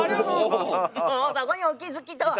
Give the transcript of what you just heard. もうそこにお気付きとは。